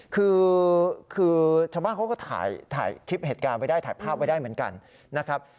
คือชาวบ้านเขาก็ถ่ายคลิปเหตุการณ์ไว้ได้ถ่ายภาพไว้ได้เหมือนกันนะครับ